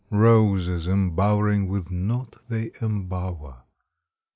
Roses embowering with naught they embower!